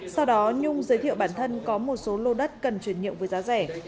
sau đó nhung giới thiệu bản thân có một số lô đất cần chuyển nhượng với giá rẻ